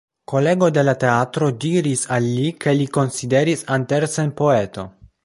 Kolego de la teatro diris al li ke li konsideris Andersen poeto.